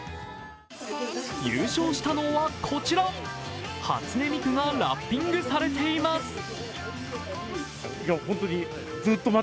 優勝したのはこちら、初音ミクがラッピングされています。